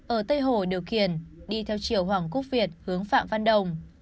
ở tây hồ điều khiển đi theo chiều hoàng quốc việt hướng phạm văn đồng